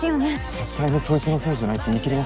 絶対にそいつのせいじゃないって言い切れます？